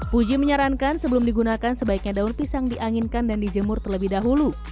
puji menyarankan sebelum digunakan sebaiknya daun pisang dianginkan dan dijemur terlebih dahulu